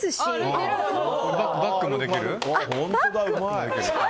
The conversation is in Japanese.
バックもできる？